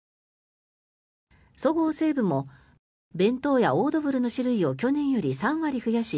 そごう・西武も弁当やオードブルの種類を去年より３割増やし